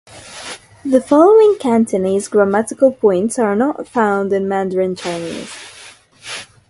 The following Cantonese grammatical points are not found in Mandarin Chinese.